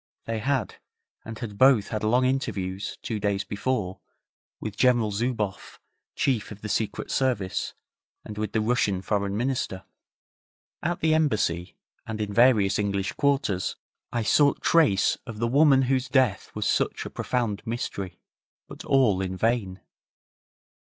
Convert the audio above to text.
They had, and had both had long interviews, two days before, with General Zouboff, Chief of the Secret Service, and with the Russian Foreign Minister. At the Embassy, and in various English quarters, I sought trace of the woman whose death was such a profound mystery, but all in vain.